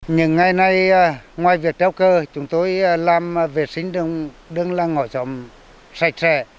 nhưng ngày nay ngoài việc treo cờ chúng tôi làm vệ sinh đường làng ngõ trọng sạch sẽ